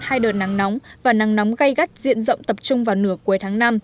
hai đợt nắng nóng và nắng nóng gây gắt diện rộng tập trung vào nửa cuối tháng năm